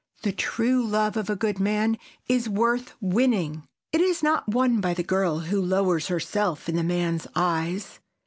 The true love of a good man is worth winning. It is not won by the girl who lowers herself in a man's eyes.